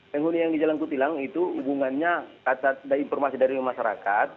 penghuni yang di jalan kutilang itu hubungannya informasi dari masyarakat